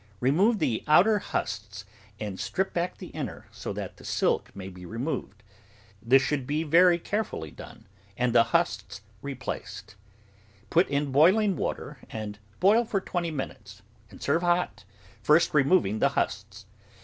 Remove the outer husks and strip back the inner, so that the silk may be removed; this should be very carefully done and the husks re placed. Put in boiling water and boil for twenty minutes and serve hot, first removing the husks.